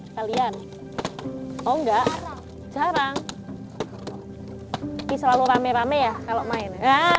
kalian oh enggak jarang ini selalu rame rame ya kalau main